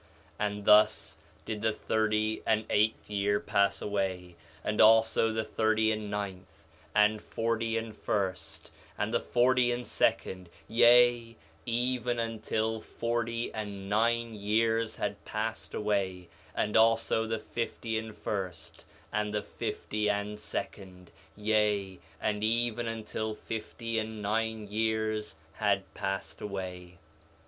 4 Nephi 1:6 And thus did the thirty and eighth year pass away, and also the thirty and ninth, and forty and first, and the forty and second, yea, even until forty and nine years had passed away, and also the fifty and first, and the fifty and second; yea, and even until fifty and nine years had passed away.